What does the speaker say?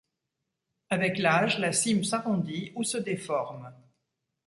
Avec l'âge, la cime s'arrondit ou se déforme.